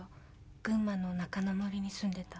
群馬の中之森に住んでた。